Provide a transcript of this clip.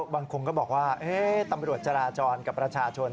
บางคนก็บอกว่าตำรวจจราจรกับประชาชน